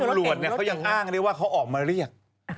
ตำรวจเขายังอ้างได้ว่าเขาออกมาเรียก